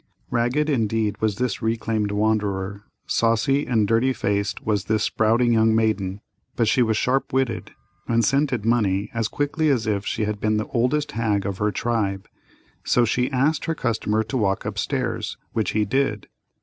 Ragged indeed was this reclaimed wanderer; saucy and dirty faced was this sprouting young maiden, but she was sharp witted, and scented money as quickly as if she had been the oldest hag of her tribe; so she asked her customer to walk up stairs, which he did.